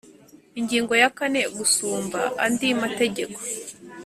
Ingingo ya kane Ugusumba andi mategeko